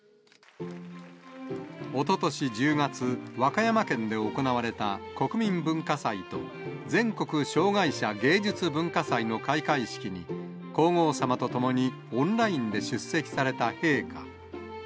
おととし１０月、和歌山県で行われた国民文化祭と、全国障害者芸術・文化祭の開会式に、皇后さまと共にオンラインで出席された陛下。